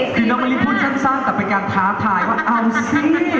คือน้องมะลิพูดสั้นแต่เป็นการท้าทายว่าเอาสิ